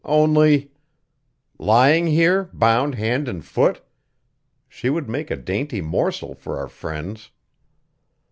Only " "Lying here, bound hand and foot? She would make a dainty morsel for our friends."